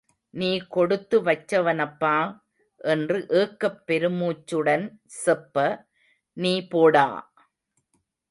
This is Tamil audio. நீ கொடுத்து வச்சவனப்பா! என்று ஏக்கப் பெருமூச்சுடன் செப்ப, நீ போடா!...